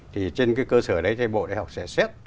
trên cơ sở đấy thì bộ đại học sẽ xét